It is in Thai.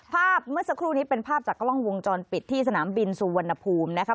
ภาพเมื่อสักครู่นี้เป็นภาพจากกล้องวงจรปิดที่สนามบินสุวรรณภูมินะคะ